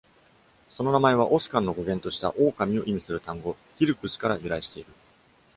その名前は、Oscan の語源とした、オオカミを意味する単語 hirpus から由来している。